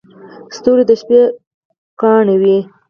• ستوري د شپې ګاڼه وي.